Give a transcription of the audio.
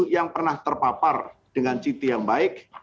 yang pernah terpapar dengan citi yang baik